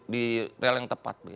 di rel yang tepat